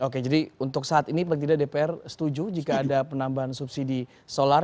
oke jadi untuk saat ini paling tidak dpr setuju jika ada penambahan subsidi solar